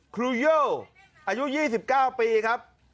ครูโยอายุ๒๙ปีครับ